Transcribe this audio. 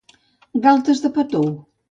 Galtes de pa tou.